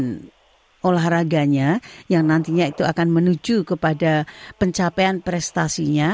dan olahraganya yang nantinya itu akan menuju kepada pencapaian prestasinya